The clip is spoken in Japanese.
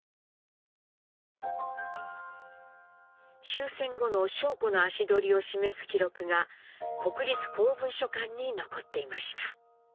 終戦後の尚子の足取りを示す記録が国立公文書館に残っていました。